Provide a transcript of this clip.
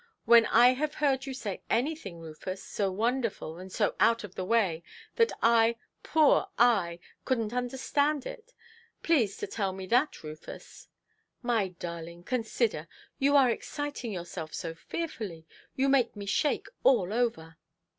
When have I heard you say anything, Rufus, so wonderful, and so out of the way, that I, poor I, couldnʼt understand it? Please to tell me that, Rufus". "My darling, consider. You are exciting yourself so fearfully. You make me shake all over".